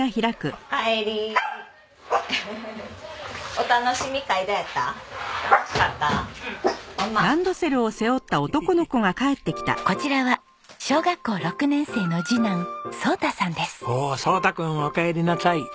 おお蒼大くんおかえりなさい！